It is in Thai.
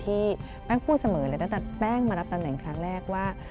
แป้งพูดเสมอเลยตั้งแต่แป้งมารับตำแหน่งครั้งแรกว่า